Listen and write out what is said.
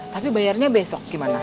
tapi bayarnya besok gimana